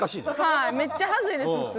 はいめっちゃ恥ずいです普通に。